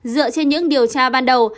dựa trên những điều tra ban đầu